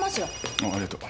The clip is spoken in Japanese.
ああありがとう。